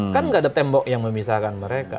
kan nggak ada tembok yang memisahkan mereka